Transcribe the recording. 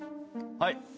はい。